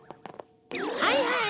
はいはい！